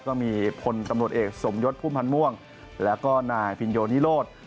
ก็มีพลตำรวจเอกสมยศพุ่มพันธ์ม่วงแล้วก็นายพินโยนิโรธ